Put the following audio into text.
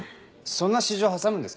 そんな私情挟むんですか？